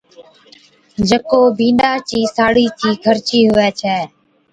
جڪو بِينڏا چِي ساڙِي چِي خرچي ھُوي ڇَي